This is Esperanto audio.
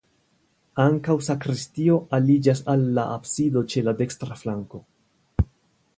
Ankaŭ sakristio aliĝas al la absido ĉe la dekstra flanko.